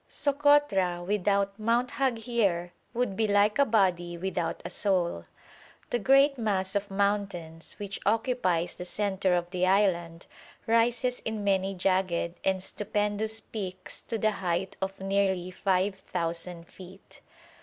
Sokotra without Mount Haghier would be like a body without a soul. The great mass of mountains which occupies the centre of the island rises in many jagged and stupendous peaks to the height of nearly 5,000 feet.